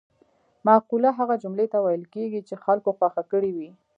مقوله هغه جملې ته ویل کېږي چې خلکو خوښه کړې وي